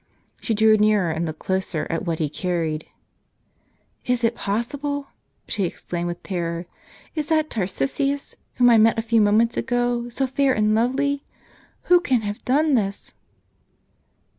She drew nearer, and looked closer at what he carried. "Is it possible?" she exclaimed with terror, "is that Tarcisius. whom I met a few moments ago, so fair and lovely ? Who can have done this?